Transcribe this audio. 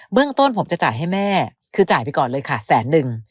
เรื่องต้นผมจะจ่ายให้แม่คือจ่ายไปก่อนเลยค่ะแสนนึง